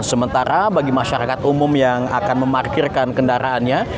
sementara bagi masyarakat umum yang akan memarkirkan kendaraannya